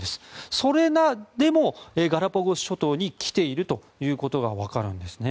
それでもガラパゴス諸島に来ているということがわかるんですね。